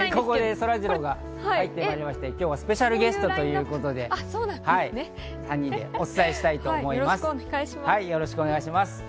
今日はスペシャルゲストということで、３人でお伝えしたいと思います。